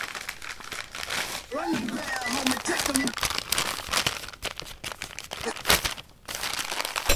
The Bastrop Christian Outreach Center also volunteered with the Rainbow Family.